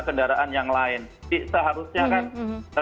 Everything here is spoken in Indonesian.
kendaraan yang lain seharusnya